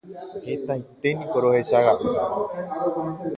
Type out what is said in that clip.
hetaiténiko rohechaga'u